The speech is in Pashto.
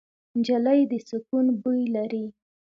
نجلۍ د سکون بوی لري.